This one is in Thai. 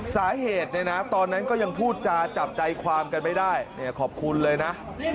สาเหตุเนี่ยนะตอนนั้นก็ยังพูดจาจับใจความกันไม่ได้ขอบคุณเลยนะ